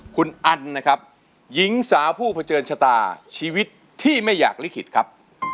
คุณอันนะครับหญิงสาวผู้เผชิญชะตาชีวิตที่ไม่อยากลิขิตครับ